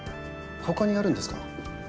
他にあるんですか？